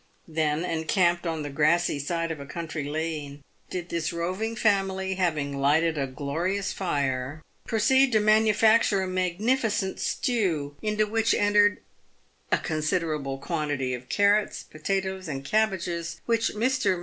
Then, encamped on the grassy side of a country lane, did this roving family, having lighted a glorious fire, proceed to manufacture a magnificent stew, into which entered a considerable quantity of carrots, potatoes, and cabbages, which Mr. M.